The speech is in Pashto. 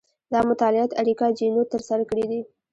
دا مطالعات اریکا چینوت ترسره کړي دي.